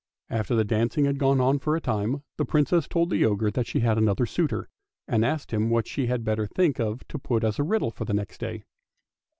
After the dancing had gone on for a time, the Princess told the ogre that she had another suitor, and asked him what she had better think of to put as a riddle the next day.